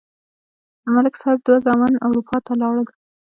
د ملک صاحب دوه زامن اروپا ته لاړل.